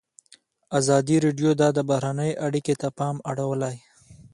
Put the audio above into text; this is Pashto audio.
ازادي راډیو د بهرنۍ اړیکې ته پام اړولی.